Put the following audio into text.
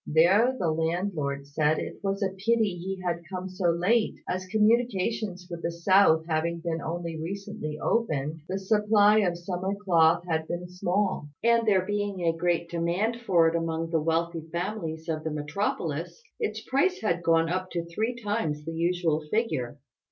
There the landlord said it was a pity he had come so late, as communications with the south having been only recently opened, the supply of summer cloth had been small; and there being a great demand for it among the wealthy families of the metropolis, its price had gone up to three times the usual figure.